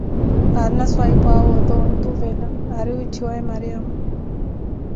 Árina swahiphuʼawe oto wontuvela âri wiitthiwaaye Mariamo.